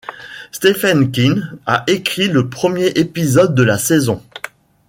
Stephen King a écrit le premier épisode de la saison.